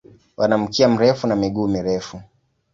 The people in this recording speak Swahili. Wana mkia mrefu na miguu mirefu.